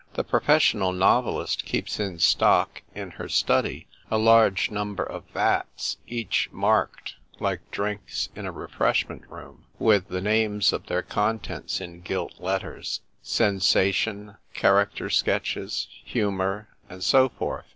The professional novelist keeps in stock in her study a large number of vats, each marked (like drinks in a refreshment room) with the names of their contents in gilt letters —" Sensation," " Character sketches," " Humour," and so forth.